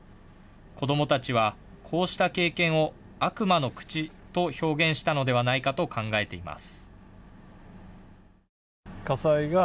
子どもたちはこうした経験を悪魔の口と表現したのではないかと考えています。